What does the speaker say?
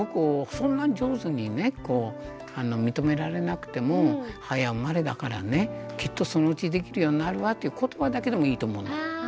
そんなに上手にね認められなくても「早生まれだからねきっとそのうちできるようになるわ」という言葉だけでもいいと思うの。